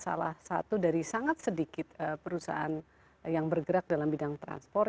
salah satu dari sangat sedikit perusahaan yang bergerak dalam bidang transportasi